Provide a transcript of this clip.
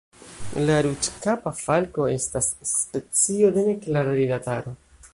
La Ruĝkapa falko estas specio de neklara rilataro.